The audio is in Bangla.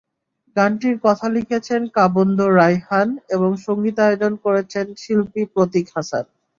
গানটির কথা লিখেছেন কাবন্দ রাইহান এবং সংগীতায়োজন করেছেন শিল্পী প্রতীক হাসান।